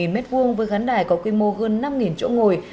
một mươi m hai với khán đài có quy mô hơn năm chỗ ngồi